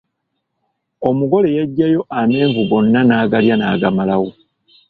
Omugole yajjayo amenvu gonna n'agaalya n'agamalawo.